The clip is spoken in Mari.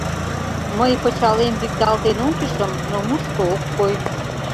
Мый пычалем викталтен ончышым, но мушко ок кой.